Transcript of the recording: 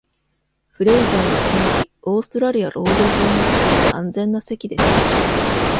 フレイザーは常にオーストラリア労働党にとって安全な席でした。